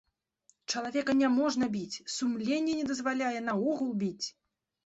Чалавека няможна біць, сумленне не дазваляе наогул біць.